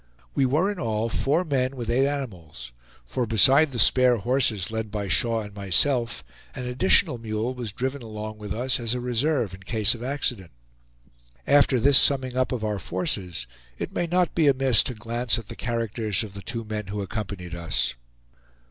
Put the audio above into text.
We were in all four men with eight animals; for besides the spare horses led by Shaw and myself, an additional mule was driven along with us as a reserve in case of accident. After this summing up of our forces, it may not be amiss to glance at the characters of the two men who accompanied us.